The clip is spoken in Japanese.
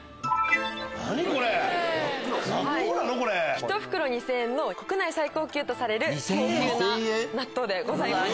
ひと袋２０００円の国内最高級とされる高級な納豆でございます。